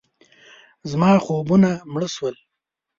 زما خوبونه مړه شول.